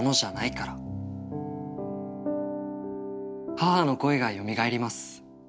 「母の声がよみがえります。